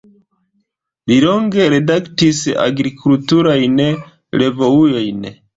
Li longe redaktis agrikulturajn revuojn.